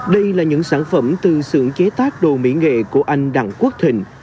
đây là những sản phẩm từ xưởng chế tác đồ mỹ nghệ của anh đặng quốc thịnh